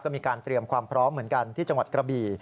ก็มีการเตรียมความพร้อมเหมือนกันที่จังหวัดกระบี่